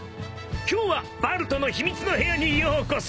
今日はバルトの秘密の部屋にようこそ。